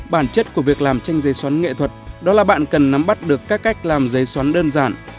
bản chất của việc làm tranh giấy xoắn nghệ thuật đó là bạn cần nắm bắt được các cách làm giấy xoắn đơn giản